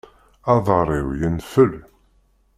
Aḍar-iw yenfel.